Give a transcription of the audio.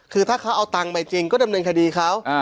คือถ้าเขาเอาตังค์ไปจริงก็ดำเนินคดีเขา